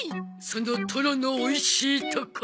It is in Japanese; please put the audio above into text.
そのトロのおいしいとこ。